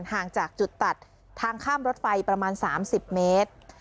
ห่างจากจุดตัดทางข้ามรถไฟประมาณ๓๐เมตร